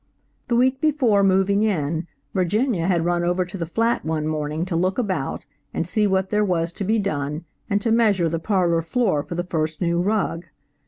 The week before moving in, Virginia had run over to the flat one morning to look about and see what there was to be done and to measure the parlor floor for the first new rug.